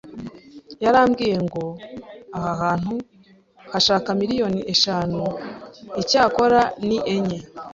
Yarambwiye ngo aha hantu hashaka miliyoni eshanu, icyakora ni enye